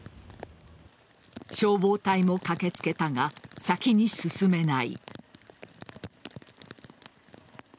消防隊も駆けつけたが先に進めない。